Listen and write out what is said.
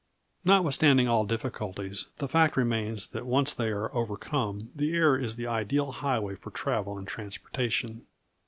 Notwithstanding all difficulties, the fact remains that, once they are overcome, the air is the ideal highway for travel and transportation.